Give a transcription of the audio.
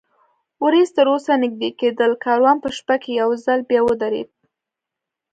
ورېځ تراوسه نږدې کېدل، کاروان په شپه کې یو ځل بیا ودرېد.